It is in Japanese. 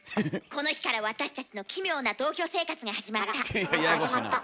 この日から私たちの奇妙な同居生活が始まった。